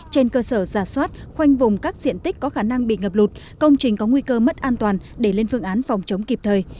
trên cơ sở giả soát khoanh vùng các diện tích có khả năng bị ngập lụt công trình có nguy cơ mất an toàn để lên phương án phòng chống kịp thời